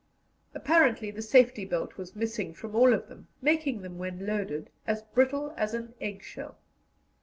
Apparently the safety bolt was missing from all of them, making them when loaded as brittle as an eggshell.